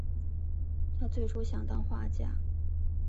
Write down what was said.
他最初想当画家。